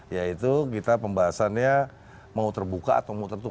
yaitu kita pembahasannya mau terbuka atau mau tertutup